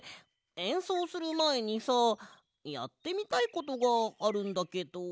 えんそうするまえにさやってみたいことがあるんだけど。